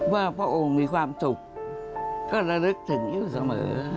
พระองค์มีความสุขก็ระลึกถึงอยู่เสมอ